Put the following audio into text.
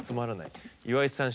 「岩井さん